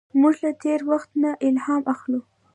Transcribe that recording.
موږ له تېر وخت نه الهام اخلو.